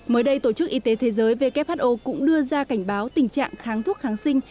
mới đây tổ chức y tế thế giới who cũng đưa ra cảnh báo tình trạng kháng thuốc kháng sinh